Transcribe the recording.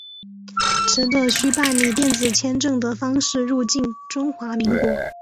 持的需办理电子签证的方式入境中华民国。